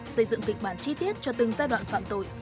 xây dựng kịch bản chi tiết cho từng giai đoạn phạm tội